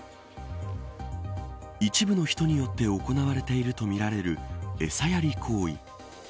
一部の人によって行われているとみられるエサやり行為。